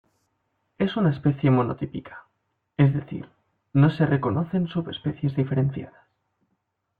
Es una especie monotípica, es decir, no se reconocen subespecies diferenciadas.